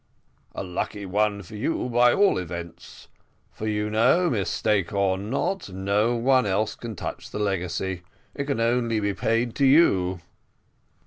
"A lucky one for you, at all events for you know, mistake or not, no one else can touch the legacy. It can only be paid to you."